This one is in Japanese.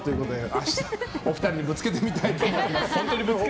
明日お二人にぶつけてみたいと思います。